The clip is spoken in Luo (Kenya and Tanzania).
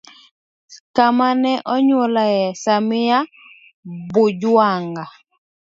Kama ne onyuolae: samia bujwanga